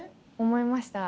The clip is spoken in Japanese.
思いました。